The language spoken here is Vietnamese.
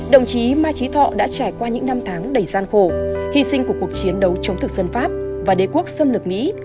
đồng chí mai trí thọ đã trải qua những năm tháng đầy gian khổ hy sinh của cuộc chiến đấu chống thực dân pháp và đế quốc xâm lược mỹ